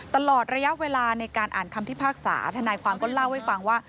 ตลอดระยะเวลาในการอ่านคำพิพากษาทนายความก็เล่าให้ฟังว่า